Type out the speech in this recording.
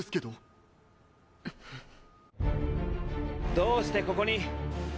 どうしてここに？